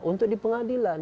untuk di pengadilan